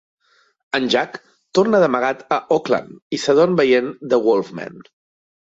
En Jack torna d'amagat a Oakland i s'adorm veient "The Wolf Man".